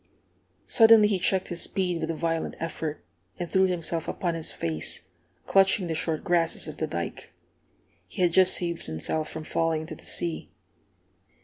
Suddenly he checked his speed with a violent effort, and threw himself upon his face, clutching the short grasses of the dike. He had just saved himself from falling into the sea.